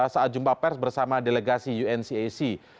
saat jumpa pers bersama delegasi uncac